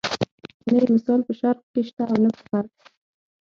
نه یې مثال په شرق کې شته او نه په غرب کې.